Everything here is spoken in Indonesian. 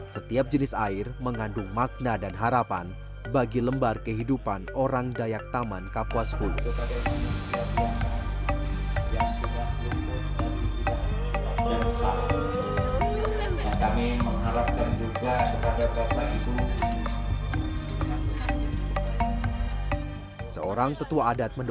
setiap jenis air mengandung makna dan harapan bagi lembar kehidupan orang dayak taman kapuas kuluh